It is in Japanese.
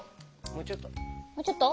もうちょっと？